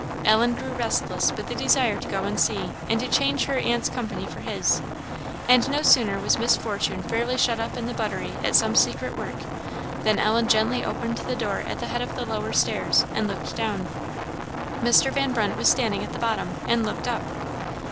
Ellen grew restless with the desire to go and see, and to change her aunt's company for his; and no sooner was Miss Fortune fairly shut up in the buttery at some secret work, than Ellen gently opened the door at the head of the lower stairs, and looked down. Mr. Van Brunt was standing at the bottom, and looked up.